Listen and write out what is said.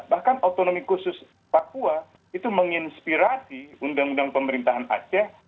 bahkan otonomi khusus papua itu menginspirasi undang undang pemerintahan aceh